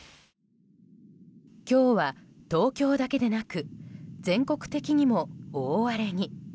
今日は東京だけでなく全国的にも大荒れに。